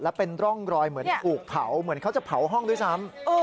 และเป็นร่องรอยเหมือนถูกเผาเหมือนเขาจะเผาห้องด้วยซ้ำ